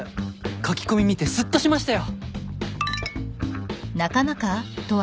「書き込み見てスッとしましたよ」